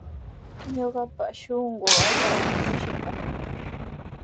Ñuqapa shunquu allaapa kushikun.